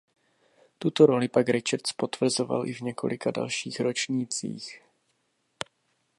Tuto roli pak Richards potvrzoval i v několika dalších ročnících.